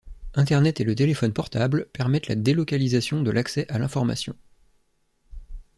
Internet et le téléphone portable permettent la délocalisation de l'accès à l'information.